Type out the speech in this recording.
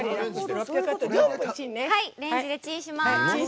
レンジでチンします！